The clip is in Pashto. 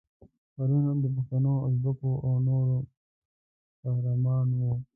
پرون هم د پښتنو، ازبکو او نورو قهرمان وو.